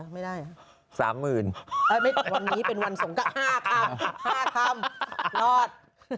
ไม่ได้๓๐๐๐วันนี้เป็นวันสงก็๕ค่ำ๕ค่ำรอด